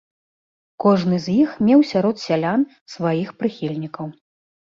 Кожны з іх меў сярод сялян сваіх прыхільнікаў.